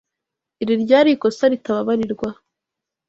Iri ryari ikosa ritababarirwa.